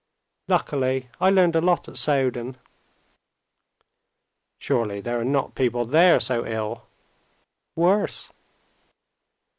Luckily, I learned a lot at Soden." "Surely there are not people there so ill?" "Worse."